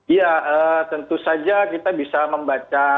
iya tentu saja kita bisa membaca